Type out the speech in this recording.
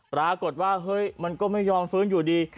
ปรากฏว่าเฮ้ยมันก็ไม่ยอมฟื้นอยู่ดี